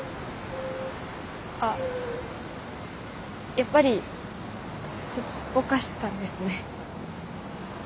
あっやっぱりすっぽかしたんですね。